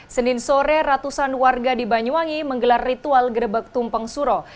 senin sore ratusan warga di banyuwangi menggelar ritual gerebek tumpeng suro